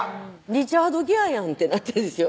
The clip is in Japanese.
リチャード・ギアやんってなったんですよ